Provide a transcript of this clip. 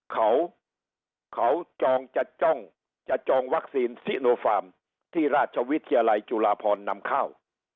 เขาเขาจองจะจ้องจะจองวัคซีนซิโนฟาร์มที่ราชวิทยาลัยจุฬาพรนำเข้า